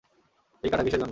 এই কাঁটা কীসের জন্য?